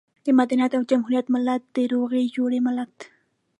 د مدنيت او جمهوريت ملت، د روغې جوړې ملت.